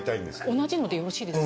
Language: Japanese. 同じのでよろしいです？